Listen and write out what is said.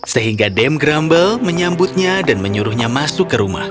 sehingga dame grumble menyambutnya dan menyuruhnya masuk ke rumah